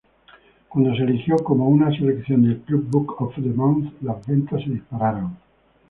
Cuando se eligió como una selección del Club Book-of-the-Month, las ventas se dispararon.